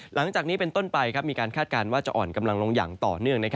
หลังจากนี้เป็นต้นไปมีการคาดการณ์ว่าจะอ่อนกำลังลงอย่างต่อเนื่อง